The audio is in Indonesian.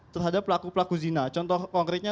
terhadap pelaku pelaku zina contoh konkretnya